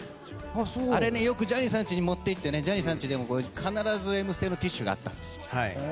あれ、よくジャニーさん家に持っていってジャニーさん家に必ず「Ｍステ」のティッシュがあったんです。